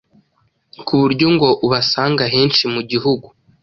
ku buryo ngo ubasanga henshi mu gihugu